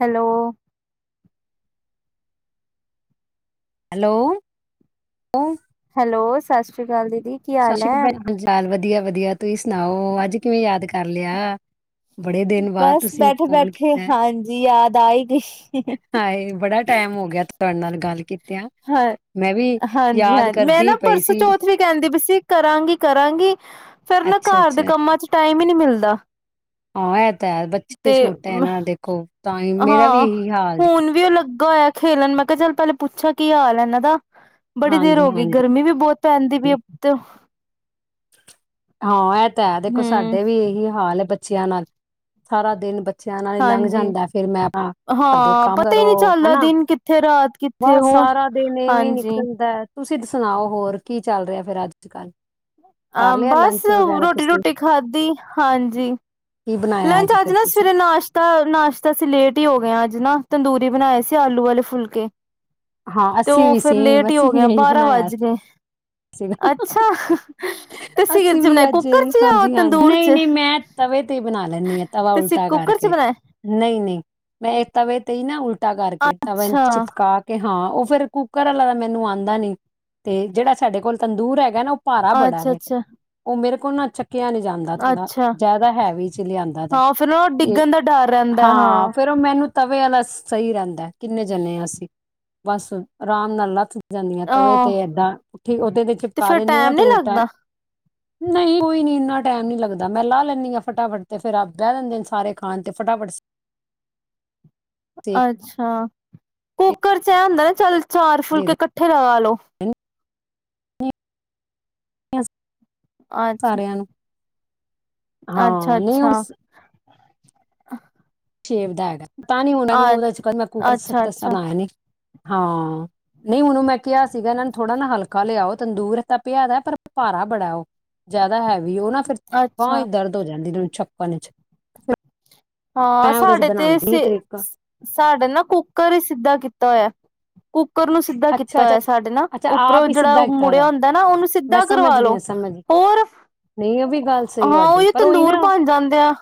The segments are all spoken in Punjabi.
ਹੈਲੋ? ਹੈਲੋ। ਹੈਲੋ ਸਤਿ ਸ਼੍ਰੀ ਅਕਾਲ ਜੀ। ਸਤਿ ਸ਼੍ਰੀ ਅਕਾਲ, ਭੈਣ ਹਾਲ ਚਾਲ ਵਧੀਆ -ਵਧੀਆ। ਤੁਸੀਂ ਸੁਣਾਓ, ਅੱਜ ਕਿਵੇਂ ਯਾਦ ਕਰ ਲਿਆ। ਬੜੇ ਦਿਨ ਬਾਅਦ ਬਸ ਤੁਸੀਂ ਬੈਠੇ- ਫੋਨ ਬੈਠੇ ਕੀਤਾ ਹਾਂਜੀ, ਯਾਦ ਆ ਹੀ ਗਈ। ਹਾਏ ਬੜਾ ਟਾਈਮ ਹੋ ਗਿਆ ਤੁਹਾਡੇ ਨਾਲ ਗੱਲ ਕੀਤਿਆਂ ਹਾਂ, ਮੈਂ ਵੀ ਹਾਂਜੀ ਯਾਦ -ਹਾਂਜੀ ਮੈਂ ਕਰਦੀ ਨਾ ਪਈ ਪਰਸੋਂ ਸੀ ਚੌਥ ਵੀ ਕਹਿੰਦੀ ਪਈ ਸੀ। ਕਰਾਂਗੀ- ਕਰਾਂਗੀ ਫੇਰ ਨਾ ਅੱਛਾ ਘਰ ਦੇ ਅੱਛਾ ਕੰਮਾਂ ਚ ਟਾਈਮ, ਹੀ ਨੀ ਮਿਲਦਾ। ਹਾਂ ਇਹ ਤਾਂ ਹੈ ਬੱਚੇ ਤੇ ਛੋਟੇ ਹੈ ਨਾ ਦੇਖੋ ਤਾਂ ਹੀ ਮੇਰਾ ਵੀ ਹਾਂ! ਇਹੀ ਹਾਲ ਜੀ। ਹੁਣ ਵੀ ਉਹ ਲੱਗਾ ਹੋਇਆ, ਖੇਲਣ ਮੈਂ ਕਿਹਾ, ਚੱਲ ਪਹਿਲੇ ਪੂਛਾ ਕੀ ਹਾਲ ਹੈ, ਇਹਨਾਂ ਦਾ ਬੜੀ ਦੇਰ ਹਾਂਜੀ ਹੋ ਗਈ, ਹਾਂਜੀ ਗਰਮੀ ਵੀ ਬਹੁਤ ਪੈ ਜਾਂਦੀ ਪਈ ਆ ਉੱਤੋਂ, ਹਾਂ ਇਹ ਤਾਂ ਹੈ। ਦੇਖੋ ਹੂੰ ਸਾਡੇ ਵੀ ਇਹੀ ਹਾਲ ਏ ਬੱਚਿਆਂ ਨਾਲ ਸਾਰਾ ਦਿਨ ਬੱਚੇ, ਬੱਚਿਆਂ ਨਾਲ ਹੀ ਲੰਘ ਹਾਂਜੀ ਜਾਂਦਾ, ਫੇਰ ਮੈਂ ਆਪ ਕਰਦੇ ਹਾਂ ਕੰਮ ਪਤਾ ਹੀ ਕਰੋ ਨਹੀਂ ਹੈ ਚੱਲਦਾ ਨਾ। ਦਿਨ ਕਿੱਥੇ ਰਾਤ ਕਿੱਥੇ ਬਸ ਹੋਰ ਸਾਰਾ ਦਿਨ ਇਵੇਂ ਹੀ ਹਾਂਜੀ ਨਿਕਲਦਾ। ਤੁਸੀਂ ਸੁਣਾਓ ਹੋਰ ਕੀ ਚੱਲ ਰਿਹਾ ਫੇਰ ਅੱਜ ਕੱਲ ਕਰ ਹਾਂ ਲਿਆ ਬਸ ਲੰਚ ਵਗੈਰਾ ਰੋਟੀ ਤੁਸੀਂ ਰੋਟੀ ਖਾਧੀ ਹਾਂਜੀ ਕੀ ਬਣਾਇਆ ਲੰਚ ਅੱਜ ਫਿਰ ਨਾ ਤੁਸੀਂ ਸਵੇਰੇ ਨਾਸ਼ਤਾ ਨਾਸ਼ਤਾ ਅਸੀਂ ਲੇਟ ਹੀ ਹੋ ਗਏ ਹਾ ਅੱਜ ਨਾ ਤੰਦੂਰੀ ਬਣਾਏ ਸੀ ਆਲੂ ਵਾਲੇ ਫੁਲਕੇ ਹਾਂ ਤੇ ਅਸੀਂ ਉਹ ਵੀ ਫਿਰ ਸੇਮ ਲੇਟ ਹੀ ਹੋ ਅਸੀਂ ਵੀ ਗਿਆ ਇਹੀ ਬਾਰਾਂ ਬਣਾਇਆ ਵੱਜ ਗਏ ਅੱਛਾ ਤੁਸੀਂ ਕਿਦੇ ਅਸੀਂ ਚ ਵੀ ਬਣਾਏ ਅੱਜ ਕੁੱਕਰ ਚ ਜਾਂ ਹਾਂਜੀ ਹਾਂਜੀ ਤੰਦੂਰ ਨਹੀਂ ਚ ਨਹੀਂ ਮੈਂ ਤਵੇ ਤੇ ਬਣਾ ਲੈਂਦੀ ਆ ਤਵਾ ਤੁਸੀਂ ਉਲਟਾ ਕੁੱਕਰ ਚ ਕਰਕੇ ਬਣਾਏ ਨਹੀਂ ਨਹੀਂ ਮੈਂ ਤਵੇ ਤੇ ਨਾ ਉਲਚਟਾ ਕਰਕੇ ਤਾਂਵੇ ਅੱਛਾ ਚਿਪਕਾ ਕੇ ਹਾਂ ਉਹ ਫਿਰ ਕੁੱਕਰ ਵਾਲਾ ਤਾਂ ਮੈਨੂੰ ਆਉਂਦਾ ਨੀ ਸਾਡੇ ਕੋਲ ਤੰਦੂਰ ਹੈਗਾ ਨਾ ਭਾਰਾ ਬੜਾ ਅੱਛਾ ਵੇ ਅੱਛਾ ਉਹ ਮੇਰੇ ਕੋ ਚੱਕ ੱਕਿਆ ਨ ਜਾਂਦਾ ਥੋੜਾ ਅੱਛਾ ਜ਼ਿਆਦਾ ਹੈਵੀ ਚ ਲਿਆਂਦਾ ਦਾ ਹਾਂ ਫਿਰ ਨਾ ਤੇ ਡਿੱਗਣ ਦਾ ਡਰ ਰਹਿੰਦਾ ਹਾਂ ਫਿਰ ਉਹ ਮੈਨੂੰ ਤਵੇ ਵਲਾ ਸਹੀ ਰੇਦਾ ਕਿੰਨੇ ਜਣੇ ਹਾ ਅਸੀਂ ਅਰਾਮ ਨਾਲ ਲਥ ਜਾਂਦੀਆਂ ਤਵੇ ਤੇ ਆਹ ਏਦਾਂ ਉਥੇ ਤੇ ਚਿਪਕਾ ਫਿਰ ਦਿੰਦੀ ਨਾ ਟਾਈਮ ਤੇ ਨੀ ਉਲਟਾ ਲੱਗਦਾ ਨਹੀਂ ਕੋਈ ਨ ਇੰਨਾ ਟਾਈਮ ਨਹੀਂੀ ਲੱਗਦਾ ਮੈਂ ਲਾ ਲੈਂਦੀ ਹਾਂ ਫਟਾਫਟ ਤੇ ਫੇਿਰ ਆਪ ਬਹਜਾਦੇ ਨੇ ਸਾਰੇ ਖਾਣ ਤੇ ਫਟਾਫਟ ਅੱਛਾ ਕੇ ਕੁੱਕਰ ਚ ਇਹ ਹੁੰਦਾ ਚੱਲ ਚਾਰ ਦੇ ਫੁਲਕੇ ਦਿੰਦੀ ਇਕੱਠੇ ਲਗਾ ਲਓ ਅਸੀਂ ਅੱਛਾ ਹਾਂ ਨਹੀਂ ਉਸ ਆ ਸਵੇ ਦਾ ਐਡ [unintelligible] ਤਾਂ ਨੀ ਉਹਨਾਂ ਨੂੰ ਉਹਦੇ ਸਕੂਟਰ ਨਹੀ ਅੱਛਾ-ਅੱਛਾ, ਅੱਛਾ ਦੱਸਾਇਆ ਨ [unintelligible] ਹਾਂ ਨਹੀਂ ਉਹਨੂੰ ਮੈਂ ਕਿਹਾ ਸੀਗਾ ਇਹਨਾਂ ਨੂੰ ਥੋੜ੍ਹਾ ਨਾ ਹਲਕਾ ਲਿਆਓ ਤੰਦੂਰ ਤਪਿਆ ਤੇ ਹੈ ਪਰ ਭਾਰਾ ਬੜਾ ਉਹ ਜ਼ਿਆਦਾ ਹੈਵੀ ਵੀ ਉਹ ਨਾ ਫਿਰ ਬਾਹ ਹੀ ਅੱਛਾ ਦਰਦ ਹੋ ਜਾਂਦੀ ਚੱਕਾਣ [unintelligible] ਹਾਂ ਸਾਡੇ ਤੇ ਸਾਡੇ ਨਾ ਕੁੱਕਰ ਸਿੱਧਾ ਕੀਤਾ ਹੋਇਆ ਕੁਕਰ ਕੁਕਰ ਨੂੰ ਸਿੱਧਾ ਕੀਤਾ ਅੱਛਾ ਅੱਛਾ ਹੋਯੈ ਸਾਡੇ ਨਾ ਅੱਛਾ ਉੱਪਰੋਂ ਆਪ ਹੀ ਜੇੜਾ ਸਿੱਧਾ ਕੀਤਾ ਮੁੜਿਆ ਦਾ ਹੁੰਦੈ ਨਾ ਔਨੂੰ ਮੈਂ ਸਿੱਧਾ ਸਮਝ ਕਰਵਾ ਲੋ ਗਈ ਸਮਝ ਗਈ ਹੋਰ ਨਹੀਂ ਉਹ ਵੀ ਗੱਲ ਸਹੀ ਹਾਂ ਤੁਹਾਡੀ ਓਹੀਓ ਪਰ ਉਹੀ ਤੰਦੂਰ ਨਾ ਬਣ ਜਾਂਦੇ ਆ।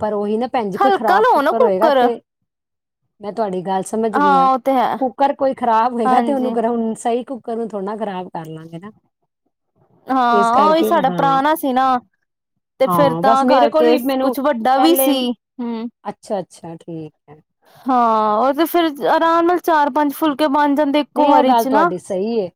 ਪਰ ਓਹੀ ਨਾ ਭੈਣ ਜੀ ਕੋਈ ਹਲਕਾ ਖ਼ਰਾਬ ਲਓ ਨਾ ਕੁੱਕਰ ਹੋਏਗਾ ਤੇ ਮੈਂ ਤੁਹਾਡੀ ਗੱਲ ਸਮਝ ਗਈ ਆ। ਹਾਂ ਉਹ ਤੇ ਹੈ ਕੁੱਕਰ ਕੋਈ ਖਰਾਬ ਹੋਏਗਾ ਤੇ ਹਾਂਜੀ ਔਨੂੰ ਕਰਾਂਗੀ ਸਿੱਧਾ। ਸਹੀ ਕੁੱਕਰ ਨੂੰ ਥੋੜ੍ਹਾ ਨਾ ਖ਼ਰਾਬ ਕਰ ਲਾਂਗੇ ਨਾ ਇਸ ਹਾਂ ਓਹੀ ਕਰਕੇ ਸਾਡਾ ਹਾਂ ਪੁਰਾਣਾ ਸੀ ਨਾ ਤੇ ਫੇਰ ਹਾਂ ਬਸ ਤਾਂ ਮੇਰੇ ਕੋਲ ਕਰਕੇ ਵੀ ਮੈਨੂੰ ਕੁਛ ਵੱਡਾ ਵੀ ਪਹਿਲੇ ਸੀ ਹੂੰ। ਅੱਛਾ-ਅੱਛਾ ਠੀਕ ਹੈ ਹਾਂ ਓਹ ਤੇ ਫੇਰ ਆਰਾਮ ਨਾਲ ਚਾਰ ਪੰਜ ਫੁਲਕੇ ਬਣ ਜਾਂਦੇ ਇੱਕੋ ਨਹੀਂ ਇਹ ਵਾਰੀ ਗੱਲ ਚ ਨਾ ਤੁਹਾਡੀ ਸਹੀ ਏ।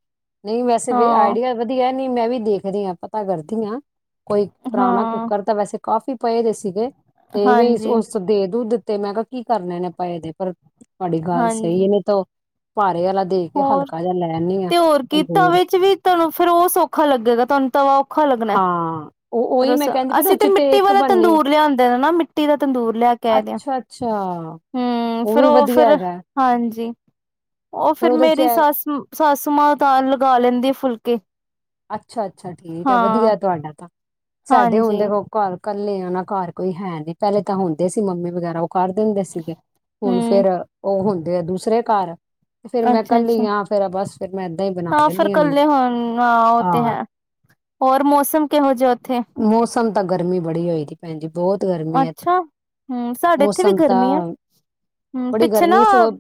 ਨਹੀਂ ਵੈਸੇ ਵੀ ਹਾਂ ਆਈਡੀਆ ਵਧੀਆ ਹੈ ਨਹੀਂ ਮੈਂ ਵੀ ਦੇਖਦੀ ਆਂ ਪਤਾ ਕਰਦੀ ਆਂ ਕੋਈ ਪੁਰਾਣਾ ਹਾਂ ਕੁੱਕਰ ਤਾਂ ਵੈਸੇ ਕਾਫੀ ਪਏ ਦੇ ਸੀਗੇ ਤੇਵੇਂ ਸ ਹਾਂਜੀ ਓਸ ਦੇ ਦੁ ਦੀਤ [unintelligible] ਤੇ ਮੈਂ ਕਿਆ ਕੀ ਕਰਨੇ ਨੇ ਪਏ ਦੇਂ ਪਰ ਤੁਵਾਡੀ ਗੱਲ ਹਾਂਜੀ ਸਹੀ ਏ ਨੀ ਤੋ ਭਾਰੇ ਵਾਲ ਹੋਰ ਤੇ ਹੋਰ ਕੀ ਤੰਦੂਰ ਤਵੇ ਚ ਵੀ ਤੁਹਾਨੂੰ ਫੇਰ ਓ ਸੌਖਾ ਲੱਗੇਗਾ ਤੁਹਾਨੂੰ ਤਵਾ ਔਖਾ ਲਗਣਾ ਹਾਂ ਉਹ ਉਹੀ ਫੇਰ ਮੈਂ ਕਹਿੰਦੀ ਪਈ ਨਾ ਅਸੀਂ ਤੇ ਉਚ ਮਿੱਟੀ ਇੱਕ ਵਾਲਾ ਬਣਨੀ ਤੰਦੂਰ ਲਿਆਂਦੇ ਨੇ ਨਾ ਮਿੱਟੀ ਦਾ ਤੰਦੂਰ ਲਿਆ ਕੇ ਆਦੇ ਆਂ। ਅੱਛਾ-ਅੱਛਾ ਹੂੰ ਉਹ ਫੇਰ ਵੀ ਔ ਵਧੀਆ ਫੇਰ ਹੈਗਾ ਹਾਂਜੀ। ਓਹ ਫੇਰ ਉਹਦੇ ਚ ਮੇਰੀ ਸੱਸ ਸਾਸੂ ਮਾਂ ਤਾਂ ਲਗਾ ਲੈਂਦੀ ਏ ਫੁਲਕੇ ਅੱਛਾ ਅੱਛਾ ਠੀਕ ਹੈ ਵਧੀਆ ਹਾਂ ਐ ਤੁਹਾਡਾ ਤਾਂ। ਸਾਡੇ ਹਾਂਜੀ ਹੁਣਦੇ ਓਹ ਘਰ ਕੱਲੇ ਆਂ ਨਾ ਘਰ ਕੋਈ ਹੈ ਨੀ ਪਹਿਲੇ ਤਾਂ ਹੁੰਦੇ ਸੀ ਮੰਮੀ ਵਗੈਰਾ। ਕਰ ਦਿੰਦੇ ਸੀਗੇ ਹੁਣ ਹਮ ਫੇਰ ਓਹ ਹੁਣ ਦੇ ਦੂਸਰੇ ਘਰ। ਫੇਰ ਮੈਂ ਅੱਛਾ ਅੱਛਾ ਕੱਲੀ ਆ ਫੇਰ ਆ ਬਸ ਫੇਰ ਮੈਂ ਏਦਾਂ ਹੀ ਬਣਾ ਹਾਂ ਫਿਰ ਲੈਂਨੀ ਕੱਲੇ ਹੁੰਣੀ ਹੁਣ ਹਾਂ ਉਹ ਆ। ਤੇ ਹਾਂ ਹੈ ਹੋਰ ਮੌਸਮ ਕਿਹੋ ਜਿਹੈ ਔਥੇ? ਮੌਸਮ ਤਾਂ ਗਰਮੀ ਬੜੀ ਹੋਈ ਦੀ ਭੈਣਜੀ। ਅੱਛਾ, ਹੂੰ ਸਾਡੇ ਇੱਥੇ ਵੀ ਮੌਸਮ ਤਾਂ ਗਰਮੀ ਐ। ਹੂੰ ਬੜੀ ਪਿੱਛੇ ਨਾ ਗਰਮੀ ਸਗੋਂ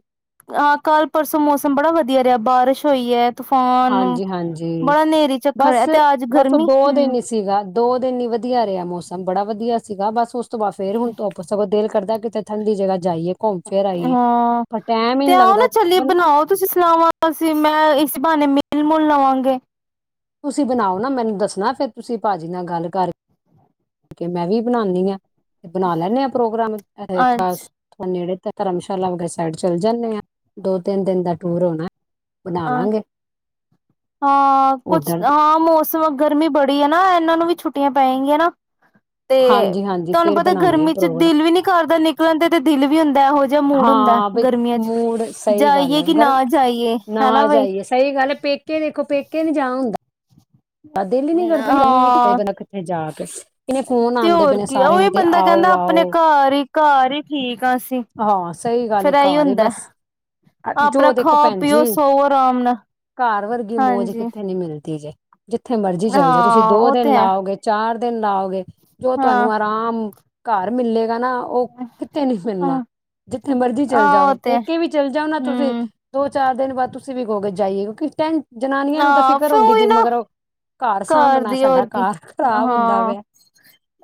ਅ ਕਲ ਪਰਸੋਂ ਮੌਸਮ ਬੜਾ ਵਧੀਆ ਰਿਹੈ, ਬਾਰਸ਼ ਹੋਈ ਐ। ਹਾਂਜੀ ਹਾਂਜੀ, ਝੱਖੜ ਬਸ ਹੈ ਤੇ ਅੱਜ ਬਸ ਔ ਗਰਮੀ ਦੋ ਦਿਨ ਈ ਸੀਗਾ, ਦੋ ਦਿਨ ਈ ਵਧੀਆ ਰਿਹੈ ਮੌਸ ਸਮ ਬੜਾ ਵਧੀਆ ਸੀਗਾ ਬਸ ਓਸ ਉਸ ਤੋਂ ਬਾਦ ਫੇਰ ਹੁਣ ਤੋਂਪ ਸਗੋ ਦੇਲ ਕਰਦੈ ਕਿ ਤੇ ਠੰਡੀ ਜਗ੍ਹਾ ਜਾਈਏ। ਘੁੰਮ ਫਿਰ ਆਈਏ ਹਾਂ ਪਰ ਟੈਮ ਹੀ ਤੇ ਨੀ ਆਓ ਨਾ ਲੱਗਦਾ ਚਲੀਏ ਬੰ ਬਣਾਓ ਤੁਸੀਂ ਸਲਾਵਾਂ, ਅਸੀ ਮੈਂ ਇਸ ਬਹਾਨੇ ਮੇ ਮਿਲ ਮੁਲ ਲਵਾਂਗੇ। ਤੁਸੀਂ ਬਣਾਓ ਨਾ ਮੈਨੂੰ ਦੱਸ। ਨਾਲ ਫਿਰ ਤੁਸੀਂ ਭਾਜੀ ਨਾਲ ਗੱਲ ਕਰ ਤੇ ਮੈਂ ਵੀ ਬਣਾਉਣੀ ਹਾਂ। ਤੇ ਬਣਾ ਲੈਣੇ ਆ ਪ੍ਰੋਗਰਾਮ ਏ ਥਸ ਅੱਛਾ ਨੇੜੇ। ਤੇ ਧਰਮਸ਼ਾਲਾ ਵ ਸਾਈਡ ਚੱਲ ਜਾਣੇ ਆਂ, ਦੋ ਤਿੰਨ ਦਿਨ ਦਾ ਟੂਰ ਹੁੰਦਾ। ਬਣਾ ਲਾਂ ਗੇ। ਹਾਂ ਕੁਛ, ਹਾਂ ਮੌਸਮ ਗਰਮੀ ਬੜੀ ਹੈ ਨਾ, ਇਹਨਾਂ ਨੂੰ ਵੀ ਛੁੱਟੀਆਂ ਪੈਣਗੀਆਂ ਨਾ। ਤੇ ਹਾਂਜੀ ਹਾਂਜੀ ਤੁਹਾਨੂੰ ਫੇਰ ਪਤਾ, ਬਣਾਉਂਦੇ ਹਾਂ ਗਰਮੀ ਚ ਦਿਲ ਪ੍ਰੋਗਰਾਮ ਵੀ ਨੀ ਕਰਦਾ ਨਿਕਲਣ ਤੇ ਤੇ ਦਿਲ ਵੀ ਹੁੰਦਾ, ਇਹੋ ਜਿਹਾ ਮੂਡ ਹੁੰਦਾ ਹਾਂ ਬ ਗਰਮੀਆਂ ਚ ਮੂਡ ਸਹੀ ਗੱਲ ਜਾਈਏ ਹੈ, ਕਿ ਗਰ ਨਾ ਜਾਈਏ ਹਨਾ ਨਾ ਬਈ ਜਾਈਏ ਸਹੀ ਗੱਲ ਹੈ, ਪੇਕੇ ਵੀ ਦੇਖੋ ਪੇਕੇ ਨਹੀਂ ਜਾਂ ਹੁੰਦੇ। ਤਾਂ ਦਿਲ ਹੀ ਨੀ ਕਰਦਾ ਇਨੀ ਗਰਮੀ ਏ, ਹਾਂ ਕਿੱਥੇ ਜਾਣਾ, ਕਿੱਥੇ ਜਾ ਕੇ ਕਿਸ ਤੇ ਹੋਰ ਕੀ, ਉ ਓਹੀ ਬੰਦਾ ਆਓ ਕਹਿੰਦਾ, ਆਪਣੇ ਆਓ ਘਰ ਹੀ ਘਰ ਹੀ ਠੀਕ ਹਾਂ ਅਸੀਂ। ਹਾਂ ਸਹੀ ਗੱਲ ਫੇਰ ਇਹੀ ਘਰ ਹੁੰਦਾ ਬਸ, ਜੋ ਆਪਣਾ ਦੇਖੋ ਖਾਓ ਭੈਣ ਪੀਓ ਜੀ, ਸੋਵੋ ਆਰਾਮ ਨਾਲ ਘਰ ਵਰਗੀ ਮੌਜ ਹਾਂਜੀ ਕਿੱਥੇ ਨੀ ਮਿਲਣੀ। [unintelligible] ਜਿੱਥੇ ਮਰਜ਼ੀ ਚੱਲ ਜਾਓ ਤੁਸੀਂ, ਹਾਂ ਦੋ ਉਹ ਤੇ ਦਿਨ ਹੈ ਲਾਓਗੇ ਚਾਰ ਤੇ ਨਾਲ। ਗੇ ਜੋ ਹਾਂ ਤੁਹਾਨੂੰ ਆਰਾਮ ਘਰ ਮਿਲ ਲੇ ਹਾ, ਉਹ ਕਿੱਥੇ ਨੀ ਮਿਲਣਾ, ਜਿੱਥੇ ਮਰਜ਼ੀ ਚੱਲ ਆਹ ਉਹ ਜਾਓ ਤੇ ਪੇਕੇ ਵੀ ਚੱਲ ਜਾਓ ਨਾ ਤੁਸੀਂ, ਹਮ ਦੋ ਚਾਰ ਦਿਨ ਬਾਅਦ ਤੁਸੀਂ ਵੀ ਕਹੋਗੇ ਜਾਈਏ, ਕਿਉਂਕ ਜਨਾਨੀਆਂ ਨੂੰ ਤਾਂ ਆਹ ਫਿਕਰ ਫਿਰ ਹੁੰਦੀ, ਉਹੀ ਵੀ ਨਾ ਮਗਰ ਘਰ ਸਾਂਭਣਾ ਦੀ ਸਾਡਾ ਹੋਰ ਕੀ ਘਰ ਖ਼ਰਾਬ ਹੁੰਦਾ ਹਾਂ ਪਿਆ,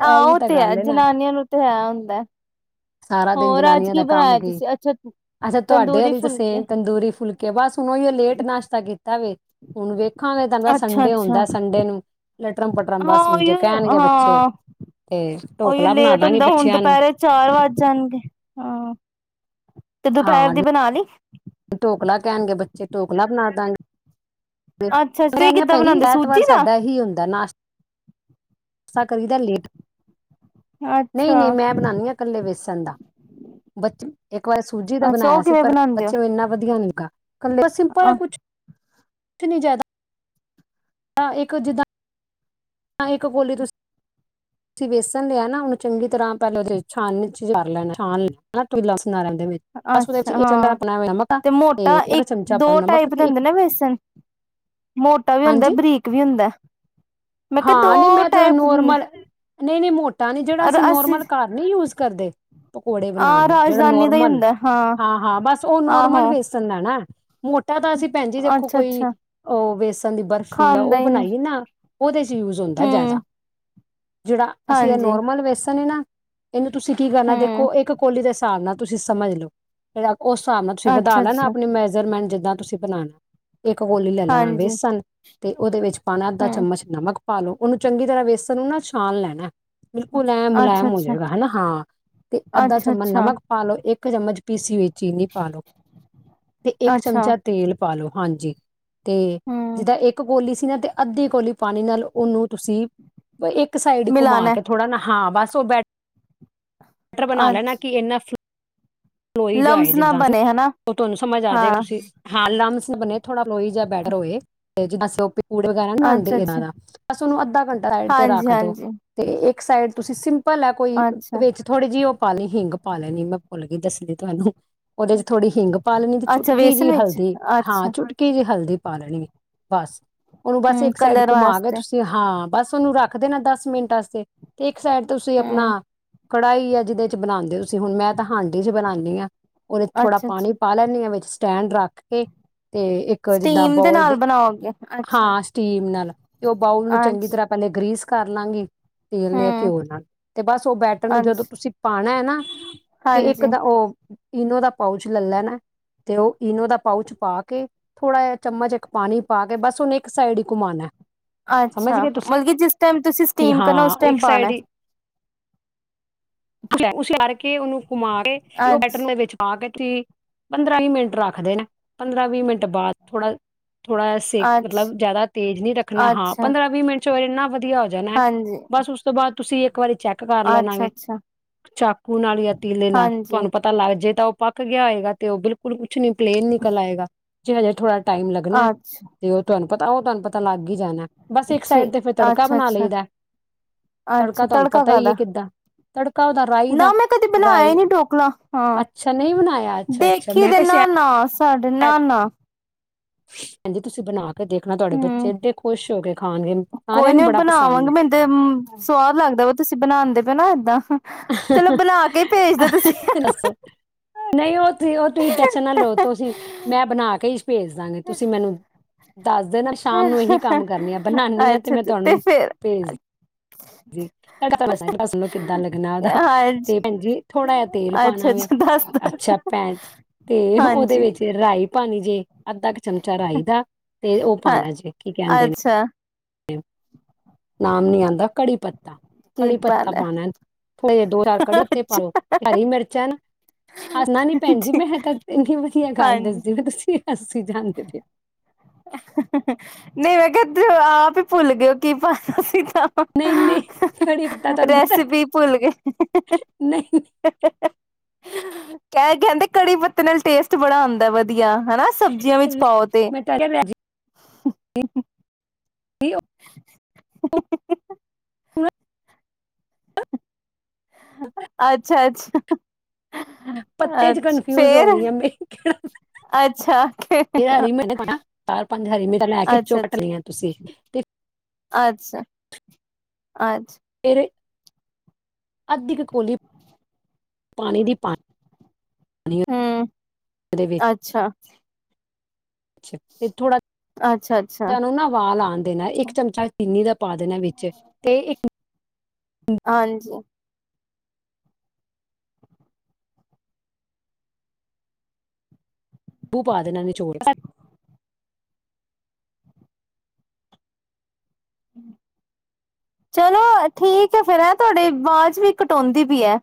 ਆਹ ਇਹੀ ਉਹ ਤਾਂ ਤੇ ਹੈ ਗੱਲ ਨਾ ਜਨਾਨੀਆਂ ਨੂੰ ਤੇ ਹੈ ਹੁੰਦਾ ਸਾਰਾ ਦਿਨ ਹੋਰ ਅੱਜ ਜਨਾਨੀਆਂ ਕੀ ਦਾ ਕੰਮ ਬਣਾਇਆ ਕੀ, ਤੁਸੀਂ ਅੱਛਾ ਅੱਛਾ ਤੁਹਾਡੇ ਤੰਦੂਰੀ ਹਲੀ ਤਾਂ ਫੁਲਕੇ ਸੇਮ ਤੰਦੂਰੀ ਫੁਲਕੇ, ਬਸ ਹੁਣ ਉਹੀ ਲੇਟ ਨਾਸ਼ਤਾ ਕੀਤਾ ਵੇ। ਹੁਣ ਵੇਖ। ਖਾਣੇ ਦਾ [inaudible] ਸਾਨੂੰ ਅੱਛਾ ਹਾਂ ਬਸ ਹੁਣ ਜੇ ਉਹੀਓ ਕਹਿਣਗੇ ਬੱਚੇ ਹਾਂ ਤੇ ਉਹੀਓ ਢੋਕਲਾ ਬਣਾ ਲੇਟ ਦਾਂਗੇ ਹੁੰਦਾ, ਹੁਣ ਬੱਚਿਆਂ ਨੂੰ ਦੁਪਹਿਰੇ ਚਾਰ ਵੱਜ ਜਾਣਗੇ, ਹਾਂ। ਤੇ ਦੁਪਹਿਰ ਦੀ ਬਣਾ ਲੀ ਡੋਕਲਾ ਕਹਿਣਾ ਗੇ ਬੱਚੇ ਡੋਕਲਾ ਬਣਾ ਦਾ ਗੀ ਇਹ ਅੱਛਾ ਤੁਸੀਂ ਨਹੀਂ ਏ ਕਿੱਦਾਂ ਭੇਣਜੀ ਬਣਾਉਂਦੇ ਸੂਜੀ ਐਤਵਾਰ ਦਾ ਸਾਡਾ ਹੀ ਹੁੰਦਾ ਨਾਸ਼ [unintelligible] ਨਹੀਂ ਨਹੀਂ ਅੱਛਾ ਮੈਂ ਬਣਾ ਨੀ ਹਾਂ ਕੱਲੇ ਵੇਸਨ ਨਦਾ [unintelligible] ਬੱਚ ਇੱਕ ਵਾਰ ਸੂਜੀ ਦਾ ਅੱਛਾ ਬਣਾਇਆ ਉਹ ਸੀ ਕਿਵੇਂ ਪਰ ਬਣਾਉਂਦੇ ਬੱਚੇ ਨੂੰ ਇੰਨਾ ਵਧੀਆ ਨੀ ਗਾ ਬੱਸ ਸਿੰਪਲ ਹੈ ਹੋ ਕੁਛ ਇੱਕ ਨੀ ਜ਼ਿਆਦਾ ਇੱਕ ਜਿੱਦਾਂ ਇੱਕ ਕੋਲੀ ਤੁਸੀਂ ਤੁਸੀਂ ਵੇਸਣ ਲਿਆ ਨਾ ਉਹਨੂੰ ਚੰਗੀ ਤਰ੍ਹਾਂ ਪਹਿਲਾ ਛਾਨਨੀ ਚ ਕਰ ਲੈਣਾ ਛਾਨ ਲੈਣਾ ਇਕ ਗਲਾਸ ਅੱਛਾ ਹਾਂ ਨਮਕ ਆ ਤੇ ਮੋਟਾ ਇੱਕ ਚਮਚਾ ਦੋ ਆਪਾਂ ਨੂੰ ਨਮਕ ਟਾਈਪ ਦੇ ਤੇ ਹੁੰਦੇ ਨਾ ਵੇਸਨ ਮੋਟਾ ਵੀ ਹੁੰਦਾ ਹਾਂਜੀ ਬਰੀਕ ਵੀ ਹੁੰਦਾ ਮੈਂ ਤੇ ਦੋ ਹਾਂ ਨਹੀਂ ਮੈਂ ਜਰਾ ਟਾਈਪ ਹੁਨੀ ਏ ਨੋਰਮਲ ਨਹੀਂ ਨਹੀਂ ਮੋਟਾ ਨੀ ਜਿਹੜਾ ਅਸੀਂ ਨੋਰਮਲ ਘਰ ਨੀ ਯੂਜ ਕਰਦੇ ਪਕੌੜੇ ਬਣਾਉਣ ਆਹ ਨੂੰ ਜਿਹੜਾ ਰਾਜਧਾਨੀ ਦਾ ਹੀ ਨੋਰਮਲ ਹੁੰਦਾ ਹਾਂ ਹਾਂ ਬਸ ਉਹ ਨੋਰਮਲ ਆਹੋ ਵੇਸਨ ਲੈਣਾ ਏ ਮੋਟਾ ਤਾਂ ਅਸੀਂ ਭੈਣ ਜੀ ਦੇਖੋ ਅੱਛਾ ਕੋਈ ਅੱਛਾ ਉਹ ਬੇਸਣ ਦੀ ਬਰਫ਼ੀ ਦਾ ਖਾਂਦਾ ਉਹ ਹੀ ਬਣਾਈ ਨਾ ਉਹਦੇ ਚ ਯੂਜ ਹੁੰਦਾ ਹਮ ਜ਼ਿਆਦਾ ਜਿਹੜਾ ਅਸੀਂ ਇਹ ਹਾਂਜੀ ਨੋਰਮਲ ਵੈਸਨ ਈ ਨਾ ਇਹਨੂੰ ਤੁਸੀਂ ਕੀ ਕਰਨਾ ਹਮ ਦੇਖੋ ਇੱਕ ਕੋਲੀ ਦੇ ਹਿਸਾਬ ਨਾਲ ਤੁਸੀਂ ਸਮਝ ਲਓ ਪਰ ਉਸ ਹਿਸਾਬ ਨਾਲ ਤੁਸੀਂ ਵਧਾ ਅੱਛਾ ਲੈਣਾ ਅੱਛਾ ਆਪਣੀ ਮੈਜਰਮੈਂਟ ਜਦ ਤਾ ਤੁਸੀਂ ਬਣਾਉਣਾ ਇੱਕ ਕੋਲੀ ਲੈ ਲੈਣਾ ਹਾਂਜੀ ਵੈਸਨ ਤੇ ਉਹਦੇ ਵਿੱਚ ਪਾਨਾ ਅੱਧਾ ਹਮ ਚਮਚ ਨਮਕ ਹਾਲੋ ਉਹਨੂੰ ਚੰਗੀ ਤਰ੍ਹਾਂ ਵੇਸਣ ਨੂੰ ਨਾ ਛਾਨ ਲੈਣਾ ਬਿਲਕੁਲ ਐਨ ਮੁਲਾਇਮ ਅੱਛਾ ਹੋ ਅੱਛਾ ਜਾਏਗਾ ਹਾਂ ਤੇ ਅੱਧਾ ਅੱਛਾ ਚਮਚ ਅੱਛਾ ਨਮਕ ਪਾ ਲਓ ਇੱਕ ਚਮਚ ਪੀ ਸੀ ਹੋਇ ਚੀਨੀ ਪਾ ਲਓ ਤੇ ਇੱਕ ਅੱਛਾ ਚਮਚਾ ਤੇਲ ਪਾ ਲੋ ਹਾਂਜੀ ਤੇ ਹਮ ਜਿੱਦਾਂ ਇੱਕ ਗੋਲੀ ਸੀ ਨਾ ਤੇ ਅੱਧੀ ਕੋਲੀ ਪਾਣੀ ਨਾ ਲੋ ਉਹਨੂੰ ਤੁਸੀਂ। ਇੱਕ ਸਾਈਡ ਘੁੰਮਾ ਮਿਲਾਣਾ ਕੇ ਥੋੜਾ ਨਾ। ਹਾਂ ਬਸ। ਸੋ ਬੈਠ। ਬੈਟਰ ਬਣਾ ਲੈਣਾ ਅੱਛ ਕਿ ਇੰਨਾ ਲੌਈ ਜਾਏ ਲਮਸ ਨਾ ਜਿੱਦਾਂ। ਬਣੇ ਹਨਾ ਉਹ ਤੁਹਾਨੂੰ ਸਮਝ ਆ ਜਾਵੇਗਾ ਹਾਂ ਤੁਸੀਂ ਹਾਲ ਲਮਸ ਨ ਬੰਨੇ ਥੋੜ੍ਹਾ ਲੋਈ ਜਿਹਾ ਬੈਟਰ ਹੋਏ। [inaudible] ਪੁਡਿੰਗ ਵਗੈਰਾ ਨਹੀਂ ਬਣਾਂਦੇ ਅੱਛਾ ਇਹਨਾਂ ਅੱਛਾ ਦਾ। ਬਸ ਉਹਨੂੰ ਅੱਧਾ ਘੰਟਾ ਰਾਈਡ ਤੇ ਰੱਖ ਦੋ ਹਾਂਜੀ-ਹਾਂਜੀ, ਤੇ। ਸਾਈਡ ਤੁਸੀਂ ਸਿੰਘ। ਭਲਾ ਕੋਈ ਅੱਛਾ। ਵਿਚ ਥੋੜੇ ਜਿਹੇ ਉਹ। ਪਾ ਲਈ ਹਿੰਗ ਪਾ ਲੈਣੀ ਮੈਂ ਭੁਲ ਗਈ। ਦੱਸਦੀ ਤੁਹਾਨੂੰ। ਉਹਦੇ ਚ ਥੋੜੀ ਹਿੰਗ ਪਾ ਲੈਣੀ ਤੇ ਅੱਛਾ ਚੁਟਕੀ ਵੇਸਨ ਜਿਹੀ ਵਿੱਚ, ਹਲਦੀ ਹਾਂ। ਅੱਛਾ ਚੁਟਕੀ ਜਿਹੀ ਹਲਦੀ। ਪਾ ਲੈਣੀ। ਬਸ ਉਹਨੂੰ ਬਸ ਹੂੰ ਇੱਕ ਸਾਈਡ ਕਲਰ ਘੁਮਾ ਕੇ ਵਾਸਤੇ ਤੁਸੀਂ ਹਾਂ। ਬਸ ਉਹਨੂੰ ਰੱਖਦੇ ਨਾ ਦਸ ਮਿੰਟ ਵਾਸਤੇ ਤੇ। ਫਿਰ ਤੁਸੀਂ ਆਪਣਾ। ਹੂੰ ਕੜਾਹੀ ਆ ਜਿਹਦੇ ਚ ਬਣਾਉਂਦੇ ਹੋ ਤੁਸੀ ਹੁਣ। ਮੈਂ ਤਾਂ ਹਾਨਡੀ ਚ ਬਣਾਉਂਦੇ ਹਾਂ। ਉਹਨੇ ਥੋੜਾ ਪਾਣੀ ਅੱਛਾ-ਅੱਛਾ। ਪਾ ਲੈਣੀ ਆ ਵਿੱਚ। ਸਟੈਂਡ ਰੱਖ ਕੇ। ਤੇ ਇੱਕ ਜਿੱਦਾਂ ਸਟੀਮ ਦੇ ਬਾਊਲ ਨਾਲ ਬਣਾਓਗੇ। ਅੱਛਾ, ਹਾਂ। ਸਟੀਮ ਨਾਲ ਤੇ ਉਹ ਬਾਊਲ ਨੂੰ ਅੱਛ ਚੰਗੀ ਤਰ੍ਹਾਂ ਪਹਿਲੇ ਇਕ। ਗ੍ਰੀਸ ਕਰ ਲਾਂਗੇ ਤੇਲ ਯਾ ਹੂੰ ਘਿਓ ਨਾਲ ਤੇ ਬਸ ਉਹ ਬੈਟਰ ਨੂੰ ਜਦੋਂ ਅੱਛ ਤੁਸੀਂ ਪਾਉਣਾ ਹੈ ਨਾ ਤੇ ਇੱਕ ਹਾਂਜੀ, ਦਾ ਉਹ- ਇਨੋ ਦਾ ਪਾਊਚ ਲੈ ਲੈਣਾ ਤੇ ਉਹ ਇਨੋ ਦਾ ਪਾਊਚ ਪਾ ਕੇ ਥੋੜ੍ਹਾ ਜਿਹਾ ਚਮਚ ਇੱਕ ਪਾਣੀ। ਪਾ ਕੇ ਬਸ ਹੁਣ ਇੱਕ। ਸਾਈਡ ਹੀ ਘੁਮਾਉਣਾ ਸਮਝ ਅੱਛਾ! ਗਏ ਤੁਸੀਂ ਮਤਲਬ ਕੀ ਜਿਸ ਟਾਈਮ ਤੁਸੀਂ ਸਟੀਮ ਕਰਨਾ ਉਸ ਹਾਂ ਟਾਈਮ ਪਾਣਾ। ਉਹ ਉਤਾਰ ਕੇ ਉਹਨੂੰ ਘੁੰਮਾ ਕੇ ਤੇ ਉਹ ਅੱਛ, ਬੈਟਰ ਦੇ ਵਿੱਚ ਪਾ ਕੇ। ਤੇ ਪੰਦਰਾਂ ਹੀ ਮਿੰਟ ਰੱਖਦੇ ਨਾ। ਪੰਦਰਾਂ, ਵੀਹ ਮਿੰਟ। ਤੇ ਬਾਅਦ ਥੋੜ੍ਹਾ। ਜਿਆਦਾ ਸੇਕ ਅੱਛ, ਮਤਲਬ ਜਿਆਦਾ ਤੇਜ਼ ਨੀ ਰੱਖਣਾ ਹਾਂ। ਅੱਛਾ ਪੰਦਰਾਂ, ਵੀਹ ਮਿੰਟ। ਫਿਰ ਨ [unintelligible] ਵਧੀਆ ਹੋ ਜਾਣਾ। ਹਾਂਜੀ, ਬਸ ਉਸ ਤੋਂ ਬਾਅਦ ਤੁਸੀਂ ਇੱਕ ਇੱਕ ਵਾਰੀ ਚੈੱਕ ਕਰ ਲੈਣਾ ਵੇ। ਅੱਛਾ-ਅੱਛਾ ਚੱਕ ਹੁਣ ਨਾਲੀ ਐ। ਪੀਣ ਦੇ ਨਾਲ, ਹਾਂਜੀ, ਤੁਹਾਨੂੰ ਪਤਾ ਲੱਗ ਜੇ ਤਾਂ ਉਹ ਪੱਕ ਗਿਆ ਹੋਏਗਾ ਤੇ ਉਹ ਬਿਲਕੁਲ ਵੀ ਕੁਛੱ ਨਹੀਂ, ਪਲੇਨ ਨਿਕਲ ਆਏਗਾ। ਜੇ ਉਹ ਥੋੜਾ ਟਾਈਮ ਲੱਗਣਾ ਅੱਛ ਤੇ ਉਹ ਤੁਹਾਨੂੰ ਪਤਾ ਆ ਉਹ ਤੁਹਾਨੂੰ ਪਤਾ ਲੱਗ ਹੀ ਜਾਨਾ ਬਸ, ਇੱਕ ਸਾਈਡ ਠੀਕ ਤੇ ਫਿਰ ਤੜਕਾ ਬਣਾ ਅੱਛਾ-ਅੱਛਾ, ਲਈਦਾ। ਅੱਛਾ ਤੜਕਾ ਅੱਛਾ ਤੁਹਾਨੂੰ ਪਤਾ ਹੀ ਹੈ ਕਾਦਾ ਕਿੱਦਾਂ? ਤੜ [unintelligible] ਨਾ, ਮੈਂ ਕਦੇ ਬਣਾਇਆ ਹੀ ਨਹੀਂ ਢੋਕਲਾ। ਹਾਂ, ਅੱਛਾ ਨਹੀਂ ਬਣਾਇਆ ਅੱਛਾ ਅੱਛਾ ਦੇਖੀ ਮੈਂ ਦੇ, ਕਿਹਾ ਨਾ-ਨਾ ਸਾਡੇ ਨਾ-ਨਾ ਖਾਲੀ ਹਾਂਜੀ, ਤੁਸੀਂ ਬਣਾ ਕੇ ਦੇਖਣਾ ਤੁਹਾਡੇ ਬੱਚੇ ਹਮ, ਏਡੇ ਖੁਸ਼ ਹੋ ਕੇ ਖਾਣਗੇ ਕੋਈ ਸਾਰਿਆਂ ਨੀ ਨੂੰ ਮੈਂ ਬੜਾ ਪਸੰਦ ਬਣਾਵਾਂਗੀ। ਮੈਂ ਦਿਨ, ਸਵਾਦ ਲੱਗਦਾ ਵਾ ਤੁਸੀਂ ਬਣਾਦੇ ਪੇ ਨਾ ਏਦਾਂ। ਚਲੋ ਹੈ ਬਣਾ ਕੇ ਭੇਜਦੇ ਤੁਸੀਂ। ਦੱਸੋ ਹੂ-ਹੂ-ਹੂੰ ਨਹੀਂ ਓ ਨਹੀਂ ਉਹ ਤੁਸੀਂ ਟੈਸ਼ਨ ਨਾ ਲਓ, ਤੁਸੀਂ। ਮੈਂ ਬਣਾ ਕੇ ਹੀ ਭੇਜ ਦਾਂਗੇ, ਤੁਸੀਂ ਮੈਨੂੰ ਦੱਸ ਦੇਣਾ, ਸ਼ਾਮ ਨੂੰ ਇਹੀ ਕੰਮ ਕਰਨੀ ਆ ਬਣਾਨੀ ਆ ਤੇ ਅੱਛਾ ਮੈਂ ਦਸ ਦੇਣਾ ਸ਼ਾਮ ਨੂੰ ਇਹ ਹੀ ਕੰਮ ਕਰਨੇ ਹਾ ਫੇਰ ਬਨਾਉਣੀ ਆ ਤੇ ਤੁਹਾਨੂੰ ਭੇਜ ਦੀ [unintelligible] [unintelligible] ਕਿੱਦਾਂ ਲੱਗਣਾ ਉਹਦਾ ਹਾਂਜੀ ਤੇ ਭੈਣਜੀ ਥੋੜਾ ਜਾ ਤੇਲ ਅੱਛਾ ਪਾਣਾ ਵੇ। ਅੱਛਾ ਦੱਸ ਦੋ ਅੱਛਾ, ਭੈਣ ਤੇ ਉਹਦੇ ਹਾਂਜੀ ਵਿੱਚ ਰਾਈ [unintelligible] ਅੱਧਾ ਕੁ, ਚਮਚਾ ਰੱਖ ਦਾ ਤੇ ਉਹ ਹਾਂ ਪਾਉਣਾ ਜੇ। ਕੀ ਕਹਿੰਦੇ ਨੇ? ਅੱਛਾ [unintelligible] ਨਾਮ ਨੀ ਆਉਂਦਾ, ਕੜੀ ਪਤ ਤਾ, ਕੀ ਕੜੀ ਪੱਤਾ ਪਾਣਾ ਪਾਉਣਾ। ਥੋੜੇ ਜਿਹੇ ਦੋ ਚਾਰ ਕੜੀ ਅੱਛਾ ਪਾਓ, ਹਰੀ ਮਿਰਚਾਂ ਹੈ। ਭੈਣ ਜੀ, ਮੈਂ ਤਾਂ ਇੰਨੀ ਵਧੀਆ ਗੱਲ ਹਾਂਜੀ ਦੱਸਦੀ ਤੁਸੀਂ ਅਸੀਂ ਜਾਂਦੇ ਪਏ ਆਹਾਹਾ, ਨਹੀਂ ਮੈਂ ਕਿਹਾ, ਤੁਸੀਂ ਆਪ ਹੀ ਭੁੱਲ ਗਏ ਕੀ ਪਾਣਾ ਸੀ। ਨਹੀਂ ਨਹੀਂ ਕੜੀ ਪੱਤਾ ਹਾਹਾਹ, ਤੁਹਾਨੂੰ ਪਤਾ ਰੈਸਪੀ ਭੁੱਲ ਗਏ। ਹੂਹੂਹੂ, ਨਹੀਂ ਹਾਹਾ ਹੂੰ, ਕਹਿ-ਕਹਿੰਦੇ ਕੜੀ ਪੱਤੇ ਨਾਲ ਟੇਸਟ ਬੜਾ ਆਉਂਦਾ, ਵਧੀਆ। ਹਨਾ, ਸਬਜ਼ੀਆਂ ਵਿੱਚ ਪਾਓ ਤੇ ਮੈਂ ਤਾਂ ਹੂਹੂਹੂ-ਹਾ ਅੱਛਾ-ਅੱਛਾ। ਪੱਤੇ ਚ ਕਨਫਿਊਜ ਹੋ ਗਈ ਆ, ਮੈਂ ਕਿਹਾ ਅੱਛਾ ਹਰੀ ਮਿਰਚਾਂ ਚਾਰ ਪੰਜ ਹਰੀ ਮਿਰਚਾਂ ਲੈ ਕੇ ਅੱਛਾ ਅੱਛਾ ਕੁੱਟ ਲਈਆਂ ਤੁਸੀਂ ਤੇ ਅੱਛਾ! ਅੱਛਾ! ਫੇਰ ਅੱਧੀ ਕੁ ਕੋਲੀ, ਪਾਣੀ ਦੀ ਪਾਣੀ ਹਮ ਦੇ ਵਿੱਚ ਅੱਛਾ ਅੱਛਾ! ਤੇ ਥੋੜਾ ਅੱਛਾ ਅੱਛਾ ਜਿਹਾ ਉਹਨਾਂ ਨੂੰ ਨਾ ਉਬਾਲ ਆਣ ਦੇ, ਦੇਣਾ ਇੱਕ ਚਮਚਾ, ਚਿੰਨੀ ਦਾ ਪਾ ਦੇਣਾ ਵਿੱਚ ਤੇ ਇੱਕ, ਹਾਂਜੀ ਉਹ ਪਾ ਦੇਣਾ ਨਿਚੋੜ ਵਿੱਚ ਚਲੋ ਠੀਕ ਹੈ, ਫੇਰ ਆ ਤੁਹਾਡੀੇ ਆਵਾਜ਼ ਵੀ ਕਟਾਉਂਦੀ ਪਈ ਏ